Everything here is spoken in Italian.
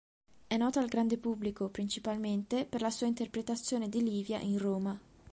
È nota al grande pubblico principalmente per la sua interpretazione di Livia in "Roma".